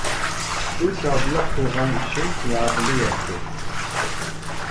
شۇ چاغدىلا قىلغان ئىشىم يادىمغا يەتتى.